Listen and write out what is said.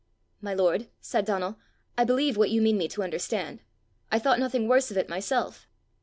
"My lord," said Donal, "I believe what you mean me to understand. I thought nothing worse of it myself."